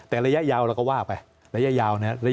แต่ระยะยาวเราก็ว่าไประยะยาวนะครับ